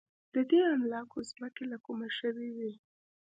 د دې املاکو ځمکې له کومه شوې وې.